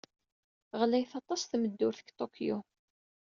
Ɣlayet aṭas tmeddurt deg Tokyo.